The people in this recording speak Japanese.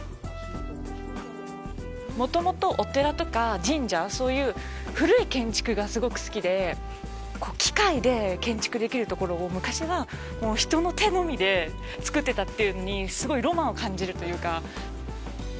もともと、お寺とか神社そういう古い建築がすごく好きで機械で建築できるところを昔は人の手のみで造ってたというのにすごいロマンを感じるというか。